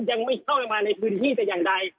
ยังไม่เข้ามาในพื้นที่แต่อย่างใด